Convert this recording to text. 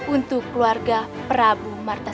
untuk keluarga prabu marta